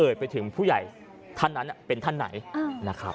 เอ่ยไปถึงผู้ใหญ่ท่านนั้นเป็นท่านไหน